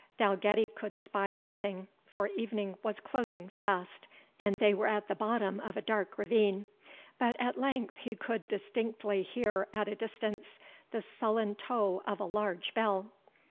Dalgetty could spy nothing, for evening was closing fast, and they were at the bottom of a dark ravine. But at length he could distinctly hear at a distance the sullen toll of a large bell.